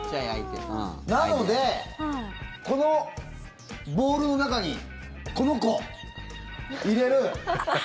なので、このボールの中にこの子入れる。